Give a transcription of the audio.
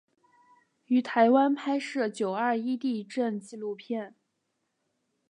于台湾拍摄九二一地震纪录片。